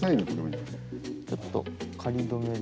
ちょっと仮留めで。